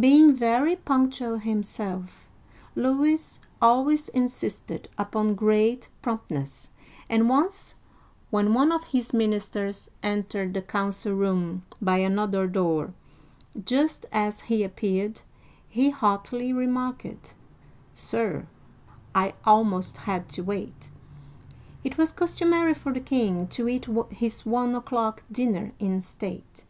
Being very punctual himself, Louis always insisted upon great promptness, and once, when one of his ministers entered the council room by another door just as he appeared, he haughtily remarked, " Sir, I almost had to' wait !" It was customary for the king to eat his one o'clock dinner in state.